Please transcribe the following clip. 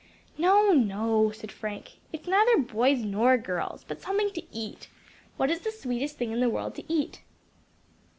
"No, no," said Frank; "it is neither boys nor girls, but something to eat. What is the sweetest thing in the world to eat?"